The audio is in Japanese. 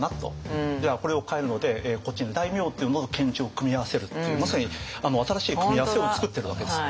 じゃあこれをかえるのでこっちの大名っていうのと検地を組み合わせるっていうまさに新しい組み合わせをつくってるわけです。